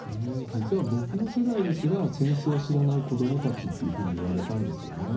実は僕の世代ですら、戦争を知らない子どもたちっていうふうにいわれたんですよね。